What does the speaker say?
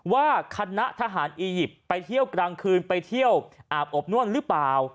ว่าคณะทหารอียิปต์ไปเที่ยวกลางคืนไปเที่ยวอาบอบนวดหรือเปล่า